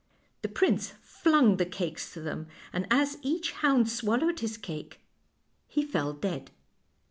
The prince flung the cakes to them, and as each hound swallowed his cake he fell dead.